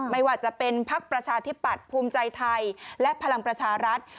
ไม่ว่าจะเป็นพักประชาธิปัตย์ภูมิใจไทยและพลังประชารัฐ